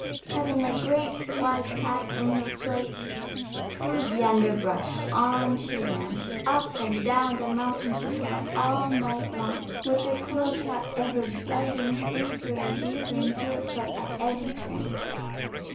Cutting a great, wide path in her flight through the underbrush on she ran. Up and down the mountain she tore, all night long, with the cruel trap ever biting deeper and deeper into her foot at every turn.